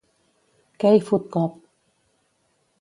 Key Food Cop.